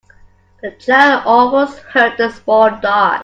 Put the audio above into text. The child almost hurt the small dog.